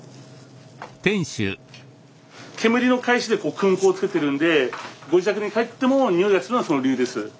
煙のかえしで薫香をつけてるんでご自宅に帰ってもにおいがするのはその理由です。